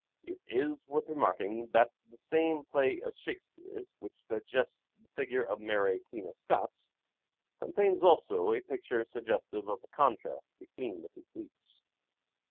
It is worth remarking then that the same play of Shakespeare's which suggests the figure of Mary Queen of Scots contains also a picture suggestive of the contrast between the two fleets.